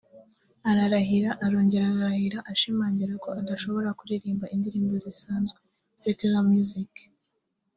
ararahira arongera ararahira ashimangira ko adashobora kuririmba indirimbo zisanzwe (secular music)